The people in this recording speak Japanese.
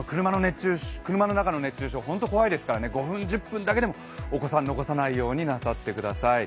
車の中の熱中症、本当に怖いですから、５分、１０分だけでもお子さん、残さないようになさってください。